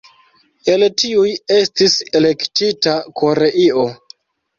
El tiuj estis elektita Koreio.